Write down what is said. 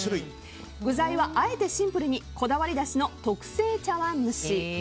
具材はあえてシンプルにこだわりだしの、特製茶碗蒸し。